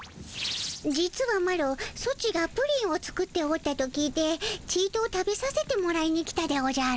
実はマロソチがプリンを作っておったと聞いてちと食べさせてもらいに来たでおじゃる。